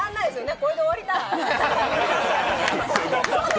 これで終わりたい。